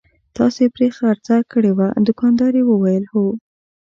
تاسې پرې خرڅه کړې وه؟ دوکاندارې وویل: هو.